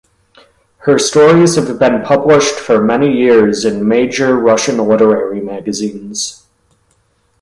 Her stories have been published for many years in major Russian literary magazines.